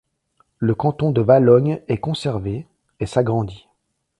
Le canton de Valognes est conservé et s'agrandit.